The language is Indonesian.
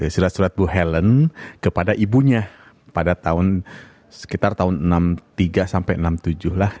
surat surat ibu helen kepada ibunya pada tahun sekitar tahun seribu sembilan ratus enam puluh tiga seribu sembilan ratus enam puluh tujuh lah